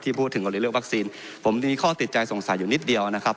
พูดถึงกรณีเรื่องวัคซีนผมมีข้อติดใจสงสัยอยู่นิดเดียวนะครับ